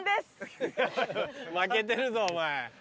負けてるぞお前。